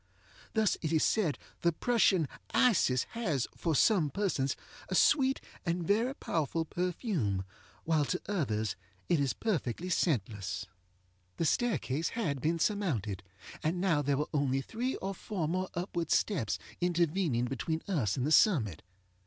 Thus it is said the Prussian Isis has, for some persons, a sweet and very powerful perfume, while to others it is perfectly scentless. The staircase had been surmounted, and there were now only three or four more upward steps intervening between us and the summit.